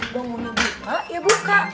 gua maunya buka ya buka